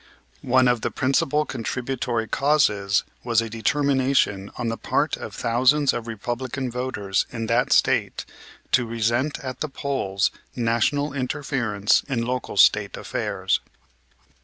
One of the principal contributory causes was a determination on the part of thousands of Republican voters in that State to resent at the polls National interference in local State affairs.